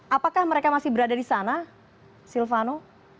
apakah mereka masih berada di sana silvano